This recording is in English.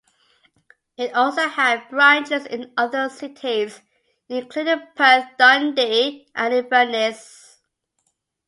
It also had branches in other cities, including Perth, Dundee, and Inverness.